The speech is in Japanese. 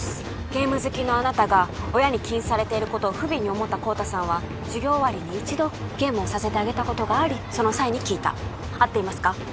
ゲーム好きのあなたが親に禁止されていることを不憫に思った孝多さんは授業終わりに一度ゲームをさせてあげたことがありその際に聞いた合っていますか？